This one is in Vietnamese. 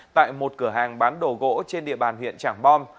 tại một cửa hàng bán đồ gỗ trên địa bàn huyện trảng bom